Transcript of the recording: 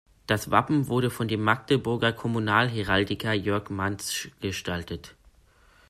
Das Wappen wurde von dem Magdeburger Kommunalheraldiker Jörg Mantzsch gestaltet.